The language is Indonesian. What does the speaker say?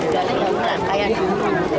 paling kembalikan narkoba ya tak lama